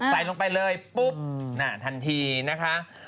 ใส่ลงไปเลยปุ๊บทันทีนะคะ